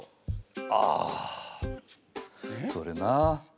ああそれなあ。